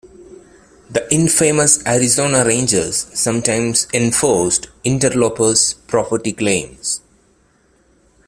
The infamous Arizona Rangers sometimes enforced interlopers' property claims.